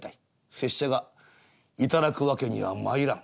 拙者が頂く訳にはまいらん」。